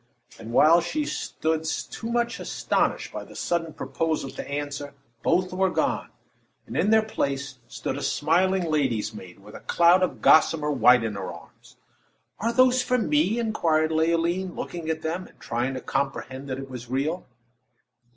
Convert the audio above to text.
And while she still stood too much astonished by the sudden proposal to answer, both were gone, and in their place stood a smiling lady's maid, with a cloud of gossamer white in her arms. "Are those for me?" inquired Leoline, looking at them, and trying to comprehend that it was all real.